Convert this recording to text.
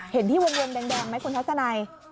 เห็นที่วงแดงไหมคุณทัศนัย